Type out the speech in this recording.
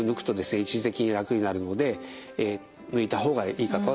一時的に楽になるので抜いた方がいいかとは思います。